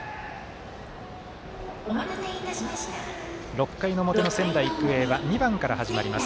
６回の表の仙台育英は２番から始まります。